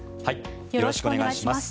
よろしくお願いします。